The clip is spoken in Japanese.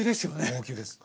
高級です。